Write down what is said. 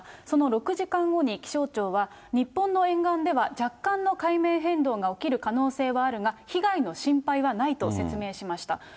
その６時間後に気象庁は、日本の沿岸では若干の海面変動が起きる可能性はあるが、被害の心配はないと説明しました。